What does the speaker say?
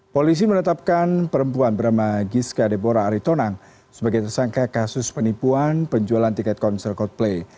polisi menetapkan perempuan bernama gizka debora aritonang sebagai tersangka kasus penipuan penjualan tiket konser coldplay